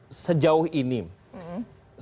pengalaman saya terhadap buah buahan saya